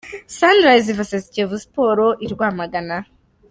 Sunrise vs Kiyovu Sports i Rwamagana.